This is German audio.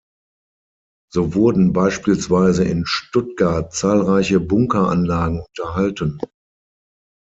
So wurden beispielsweise in Stuttgart zahlreiche Bunkeranlagen unterhalten.